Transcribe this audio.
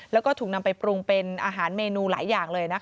แล้วก็ถูกนำไปปรุงเป็นอาหารเมนูหลายอย่างเลย